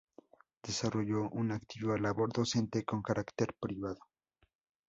Desarrolló una activa labor docente con carácter privado.